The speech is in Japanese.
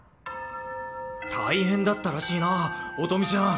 大変だったらしいな音美ちゃん。